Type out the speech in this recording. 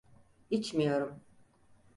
İçmiyorum.